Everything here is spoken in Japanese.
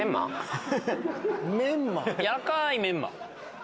軟らかいメンマ。